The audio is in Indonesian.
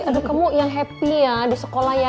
aduh kamu yang happy ya di sekolah ya